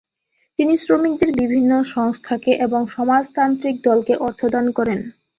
তিনি শ্রমিকদের বিভিন্ন সংস্থাকে এবং সমাজতান্ত্রিক দলকে অর্থ দান করেন ।